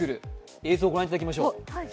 映像ご覧いただきましょう。